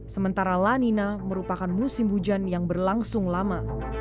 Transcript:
sementara la nina merupakan musim hujan yang berlangsung lama